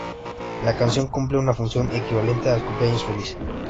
La canción cumple una función equivalente al "Cumpleaños feliz".